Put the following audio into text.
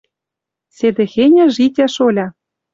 Седӹхеньӹ житя, шоля